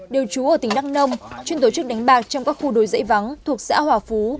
đều trú ở tỉnh đăng nông chuyên tổ chức đánh bạc trong các khu đồi dãy vắng thuộc xã hòa phú